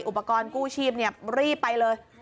อุปกรณ์กู้ชีพรีบไปเลย